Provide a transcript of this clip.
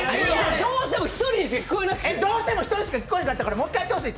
どうしても１人しか聞こえなかったからもう一回やってほしいって？